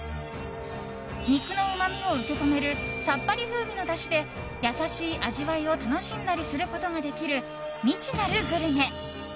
肉のうまみを受け止めるさっぱり風味のだしで優しい味わいを楽しんだりすることができる未知なるグルメ。